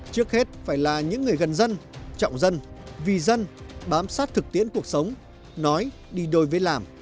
trước hết phải là những người gần dân trọng dân vì dân bám sát thực tiễn cuộc sống nói đi đôi với làm